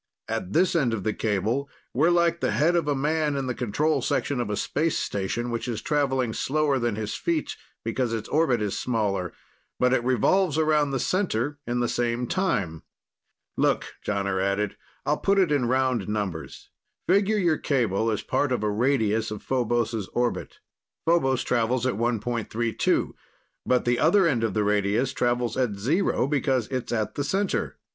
At this end of the cable, we're like the head of a man in the control section of a space station, which is traveling slower than his feet because its orbit is smaller but it revolves around the center in the same time. "Look," Jonner added, "I'll put it in round numbers. Figure your cable as part of a radius of Phobos' orbit. Phobos travels at 1.32, but the other end of the radius travels at zero because it's at the center.